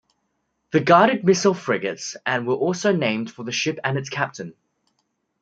The guided missile frigates and were also named for the ship and its captain.